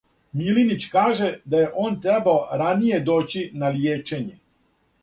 Милинић каже да је он требао раније доћи на лијечење.